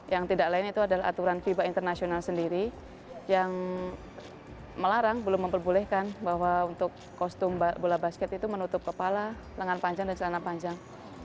yang tidak lain itu adalah aturan fiba internasional sendiri yang melarang belum memperbolehkan bahwa untuk kostum bola basket itu menutup kepala lengan panjang dan celana panjang